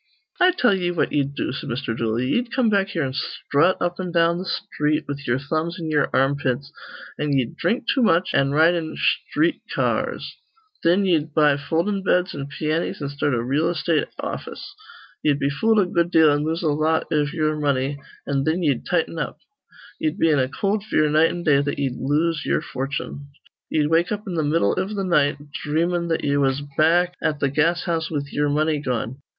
"I tell ye what ye'd do," said Mr. Dooley. "Ye'd come back here an' sthrut up an' down th' sthreet with ye'er thumbs in ye'er armpits; an' ye'd dhrink too much, an' ride in sthreet ca ars. Thin ye'd buy foldin' beds an' piannies, an' start a reel estate office. Ye'd be fooled a good deal an' lose a lot iv ye'er money, an' thin ye'd tighten up. Ye'd be in a cold fear night an' day that ye'd lose ye'er fortune. Ye'd wake up in th' middle iv th' night, dhreamin' that ye was back at th' gas house with ye'er money gone.